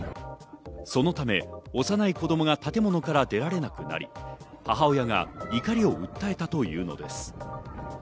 そのため、幼い子供が建物から出られなくなり、母親が怒りを訴えたというのです。